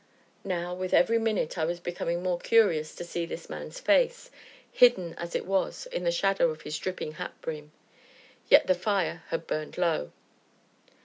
Now, with every minute I was becoming more curious to see this man's face, hidden as it was in the shadow of his dripping hat brim. Yet the fire had burned low.